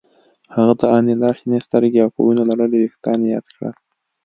هغه د انیلا شنې سترګې او په وینو لړلي ویښتان یاد کړل